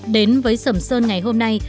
đến với sầm sơn ngày hôm nay